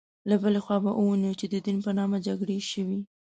له بلې خوا به ووینو چې د دین په نامه جګړې شوې.